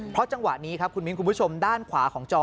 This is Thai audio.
เพราะจังหวะนี้ครับคุณมิ้นคุณผู้ชมด้านขวาของจอ